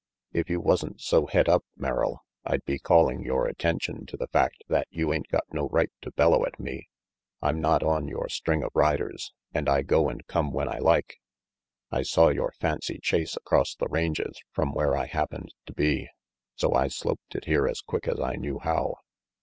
"If you wasn't so het up, Merrill, I'd be calling your attention to the fact that you ain't got no right to bellow at me. I'm not on your string of riders and I go and come when I like. I saw your fancy chase across the ranges from where I happened to be, so I sloped it here as quick as I knew how.